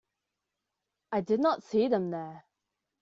I did not see them there.